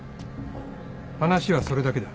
話はそれだけだ。